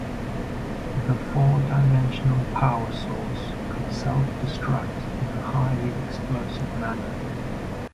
The four-dimensional power source could self-destruct in a highly explosive manner.